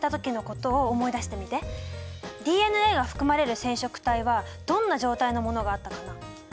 ＤＮＡが含まれる染色体はどんな状態のものがあったかな？